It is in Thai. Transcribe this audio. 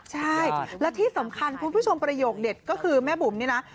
ใช่และที่สำคัญคุณผู้ชมประโยคเด็ดก็คือแม่บุ๋มนี่นะ